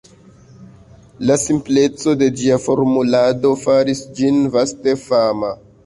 La simpleco de ĝia formulado faris ĝin vaste fama.